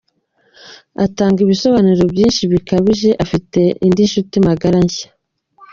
Atanga ibisobanuro byinshi bikabije, afite indi nshuti magara nshya